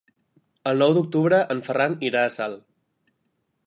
El nou d'octubre en Ferran irà a Salt.